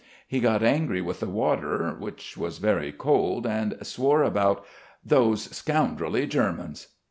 He got angry with the water, which was very cold, and swore about "These scoundrelly Germans."